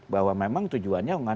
bahwa memang tujuannya